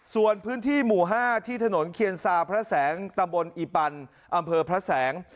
ส่วนพื้นที่หมู่๕ที่ถนนเคียนซาพระแสงตำบลอีปันอำเภอพระแสง